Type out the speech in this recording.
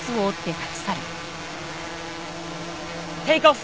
テイクオフ！